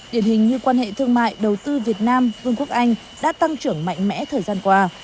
điển hình như quan hệ thương mại đầu tư việt nam vương quốc anh đã tăng trưởng mạnh mẽ thời gian qua